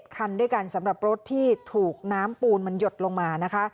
คันด้วยกันสำหรับรถที่ถูกน้ำปูนมันหยดลงมานะคะ